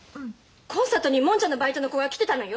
コンサートにもんじゃのバイトの子が来てたのよ。